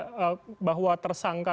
atau bahwa tersangkut